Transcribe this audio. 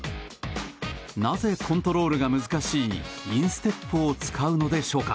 なぜ、コントロールが難しいインステップを使うのでしょうか。